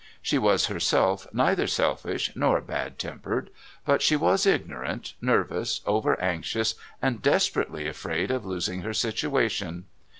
She was herself neither selfish nor bad tempered, but she was ignorant, nervous, over anxious, and desperately afraid of losing her situation.